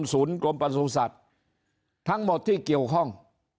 กรมสวนกรมประสุนสัตว์ทั้งหมดที่เกี่ยวข้อง